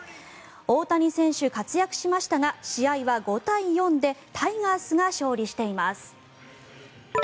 大谷選手、活躍しましたが試合は５対４でタイガースが勝利しています。